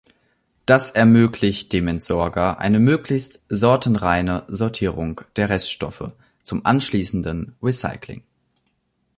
Das ermöglicht dem Entsorger eine möglichst sortenreine Sortierung der Reststoffe zum anschließenden Recycling.